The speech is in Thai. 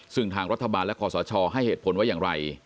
ซึ่งทางรัฐบาลและคอสชให้เหตุผลว่าอย่างไร